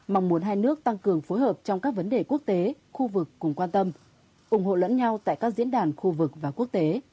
mong muốn hai nước tăng cường phối hợp trong các vấn đề quốc tế khu vực cùng quan tâm ủng hộ lẫn nhau tại các diễn đàn khu vực và quốc tế